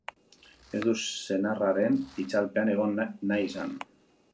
Ez du senarraren itzalpean egon nahi izan.